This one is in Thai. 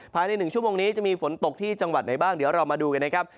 ภายใน๑ชั่วโมงนี้จะมีฝนตกที่จังหวัดไหนบ้างเดี๋ยวเรามาดูกันนะครับ